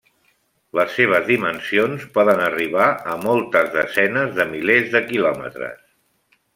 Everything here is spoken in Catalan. Les seves dimensions poden arribar a moltes desenes de milers de quilòmetres.